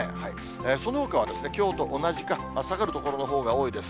そのほかはきょうと同じか、下がる所のほうが多いです。